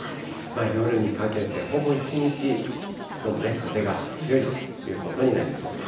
夜にかけてほぼ一日、きょうも風が強いということになりそうです。